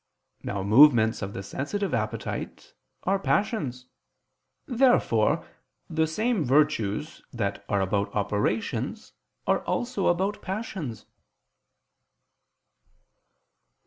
Now movements of the sensitive appetite are passions. Therefore the same virtues that are about operations are also about passions.